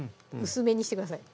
薄めにしてください